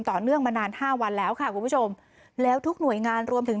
ต่อเนื่องมานานห้าวันแล้วค่ะคุณผู้ชมแล้วทุกหน่วยงานรวมถึง